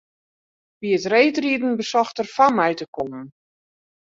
By it reedriden besocht er foar my te kommen.